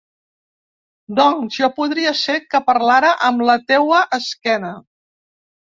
Doncs, jo podria ser que parlara amb la teua esquena.